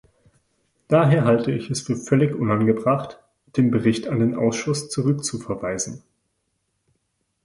Daher halte ich es für völlig unangebracht, den Bericht an den Ausschuss zurückzuverweisen.